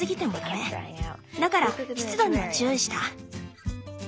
だから湿度には注意した。